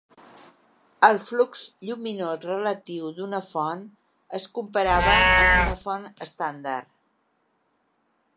El flux lluminós relatiu d'una font es comparava amb una font estàndard.